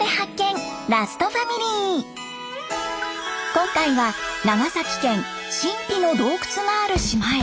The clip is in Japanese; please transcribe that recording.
今回は長崎県神秘の洞窟がある島へ！